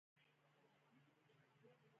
زۀ به ئې فرېنډ لسټ ته اېډ کړم -